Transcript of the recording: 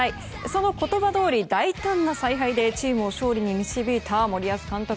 その言葉どおり、大胆な采配でチームを勝利に導いた森保監督。